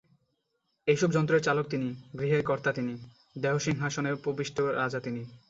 এইসব যন্ত্রের চালক তিনি, গৃহের কর্তা তিনি, দেহ-সিংহাসনে উপবিষ্ট রাজা তিনি।